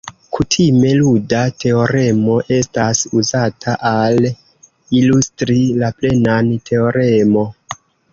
Kutime, luda teoremo estas uzata al ilustri la plenan teoremo.